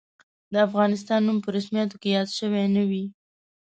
د افغانستان نوم په رسمیاتو کې یاد شوی نه وي.